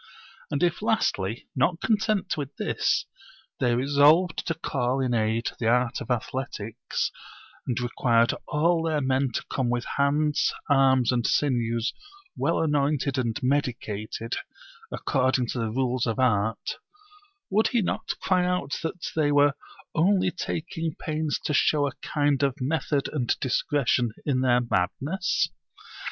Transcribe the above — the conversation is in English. And if lastly, not content with this, they resolved to call in aid the art of athletics, and required all their men to come with hands, arms, and sinews well anointed and medicated according to the rules of art, would he not cry out that they were only taking pains to show a kind of method and discretion in their madness?